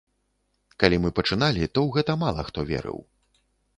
Калі мы пачыналі, то ў гэта мала хто верыў.